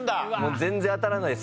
全然当たらないです